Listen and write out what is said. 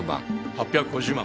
８５０万。